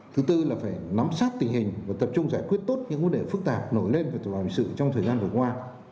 thứ tư là phải nắm sát tình hình và tập trung giải quyết tốt những vấn đề phức tạp nổi lên trong thời gian vừa qua